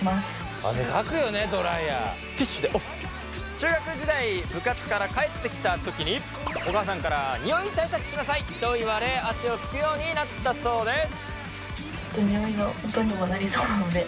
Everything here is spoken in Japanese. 中学時代部活から帰ってきた時にお母さんからニオイ対策しなさいと言われ汗を拭くようになったそうです。